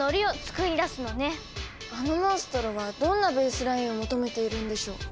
あのモンストロはどんなベースラインを求めているんでしょう？